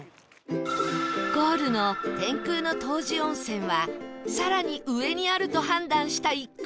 ゴールの天空の湯治温泉は更に上にあると判断した一行